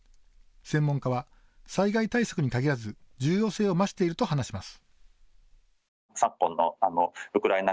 専門家は災害対策にかぎらず重要性を増していると話します。